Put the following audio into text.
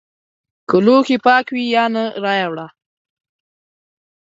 که لوښي پاک وي یا نه رایې وړه!